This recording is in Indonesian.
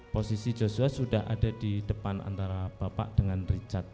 posisi joshua sudah ada di depan antara bapak dengan richard